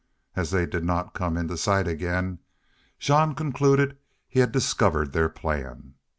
As they did not come into sight again, Jean concluded he had discovered their plan.